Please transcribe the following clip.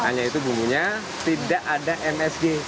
hanya itu bumbunya tidak ada msg